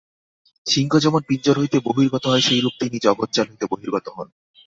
সিংহ যেমন পিঞ্জর হইতে বহির্গত হয়, সেইরূপ তিনি জগজ্জাল হইতে বহির্গত হন।